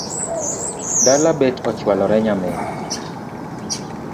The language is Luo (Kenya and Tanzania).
Dala bet ochualore nyamin